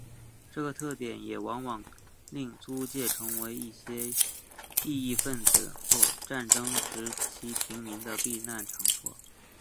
这个特点也往往令租界成为一些异议份子或战争时期平民的避难场所。